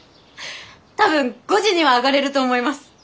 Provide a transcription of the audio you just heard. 多分５時にはあがれると思います。